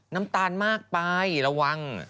น้ำตาลมากไประวัง